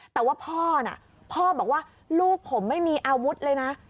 แต่ว่าพ่อน่ะพ่อบอกว่าลูกผมไม่มีอาวุธเลยนะ